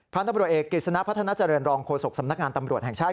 พระนักบริวัติเอกกริจนัพพัฒนาจริงรองโคศกสำนักงานตำรวจแห่งชาย